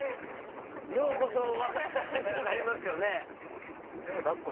「ようこそ我が家へ」ってなりますよね。